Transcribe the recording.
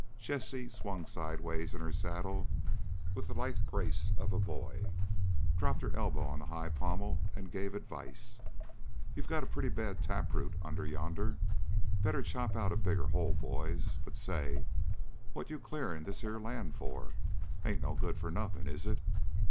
Jessie swung sidewise in her saddle with the lithe grace of a boy, dropped her elbow on the high pommel, and gave advice. "You got a pretty bad taproot under yonder. Better chop out a bigger hole, boys. But, say, what you clearing this here land for? Ain't no good for nothing, is it?"